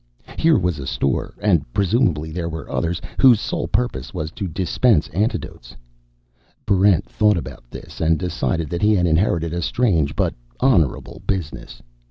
Here was a store and presumably there were others whose sole purpose was to dispense antidotes. Barrent thought about this and decided that he had inherited a strange but honorable business.